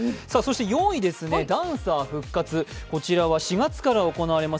４位はダンサー復活、こちらは４月から行われます